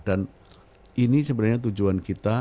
dan ini sebenarnya tujuan kita